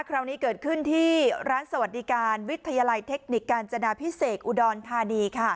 คราวนี้เกิดขึ้นที่ร้านสวัสดิการวิทยาลัยเทคนิคกาญจนาพิเศษอุดรธานี